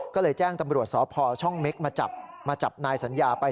ก็เลยแจ้งตำรวจสพช่องเม็กมาจับมาจับนายสัญญาไป